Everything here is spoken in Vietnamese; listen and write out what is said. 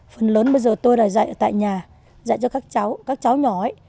phần lớn bây giờ tôi là dạy ở tại nhà dạy cho các cháu các cháu nhỏ ấy